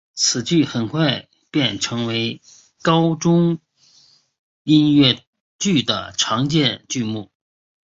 此剧很快便成为高中音乐剧的常见剧目。